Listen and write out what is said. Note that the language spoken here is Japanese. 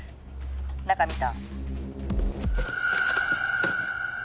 中見た？